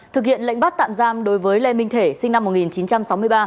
thực hiện lệnh bắt tạm giam đối với lê minh thể sinh năm một nghìn chín trăm sáu mươi ba